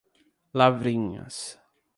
Lavrinhas